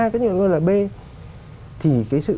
cái người là b thì cái sự